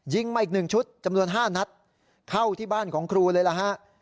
มาอีก๑ชุดจำนวน๕นัดเข้าที่บ้านของครูเลยล่ะฮะ